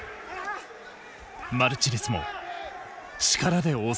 マルチネスも力で応戦。